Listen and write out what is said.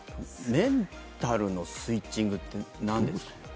メンタルのスイッチングってなんですか？